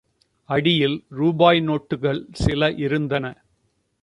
அடியில் ரூபாய் நோட்டுகள் சில இருந்தன.